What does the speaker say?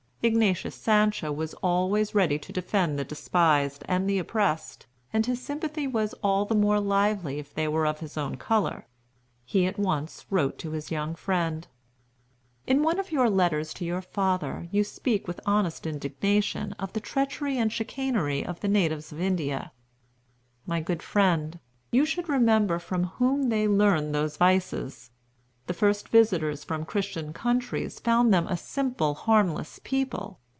Ignatius Sancho was always ready to defend the despised and the oppressed, and his sympathy was all the more lively if they were of his own color. He at once wrote to his young friend: "In one of your letters to your father, you speak with honest indignation of the treachery and chicanery of the natives of India. My good friend, you should remember from whom they learned those vices. The first visitors from Christian countries found them a simple, harmless people.